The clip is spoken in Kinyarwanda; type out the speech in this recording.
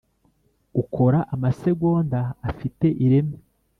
ukora amasegonda afite ireme.